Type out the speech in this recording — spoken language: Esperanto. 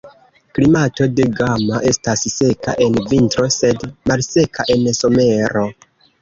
Klimato de Gama estas seka en vintro, sed malseka en somero.